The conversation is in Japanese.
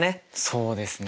そうですね。